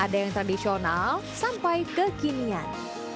ada yang tradisional sampai kekinian